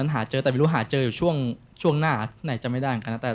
หาเจอแต่ไม่รู้หาเจออยู่ช่วงหน้าจำไม่ได้เหมือนกัน